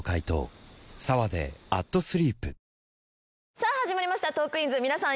さあ始まりました『トークィーンズ』皆さん